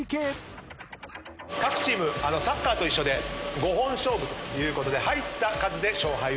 各チームサッカーと一緒で５本勝負ということで入った数で勝敗をつけます。